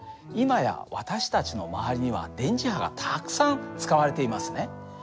今や私たちの周りには電磁波がたくさん使われていますね。